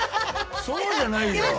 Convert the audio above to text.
そうじゃないよ！